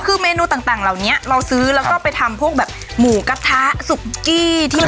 คือเมนูต่างเหล่านี้เราซื้อแล้วก็ไปทำพวกแบบหมูกระทะซุกกี้ที่เรา